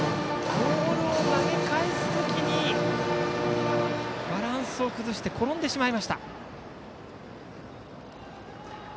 ボールを投げ返す時にバランスを崩して転んでしまいました。